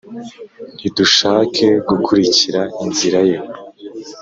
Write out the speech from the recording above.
ntidushake gukurikira inzira ye,